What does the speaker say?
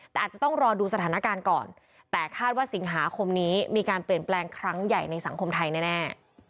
แต่อาจจะต้องรอดูสถานการณ์ก่อนแต่คาดว่าสิงหาคมนี้มีการเปลี่ยนแปลงครั้งใหญ่ในสังคมไทยแน่